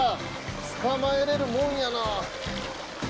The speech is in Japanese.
捕まえられるもんやな。